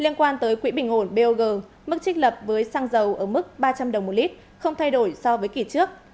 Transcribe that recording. liên quan tới quỹ bình ổn bog mức trích lập với xăng dầu ở mức ba trăm linh đồng một lít không thay đổi so với kỷ trước